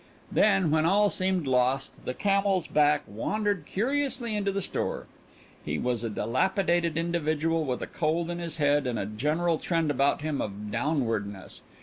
Then, when all seemed lost, the camel's back wandered curiously into the store. He was a dilapidated individual with a cold in his head and a general trend about him of downwardness.